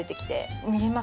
見えます？